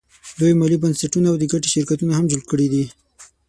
دوی مالي بنسټونه او د ګټې شرکتونه هم جوړ کړي دي